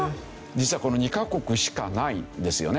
実はこの２カ国しかないんですよね。